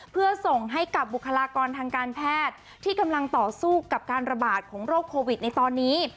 เพื่อส่งให้กับบุคลากรทางการแพทย์ที่กำลังต่อสู้กับการระบาดของโรคโควิดในตอนนี้